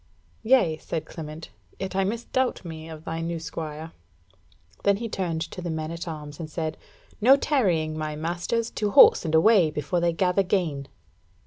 "Yea," said Clement; "yet I misdoubt me of thy new squire." Then he turned to the men at arms and said: "No tarrying, my masters! To horse and away before they gather gain!"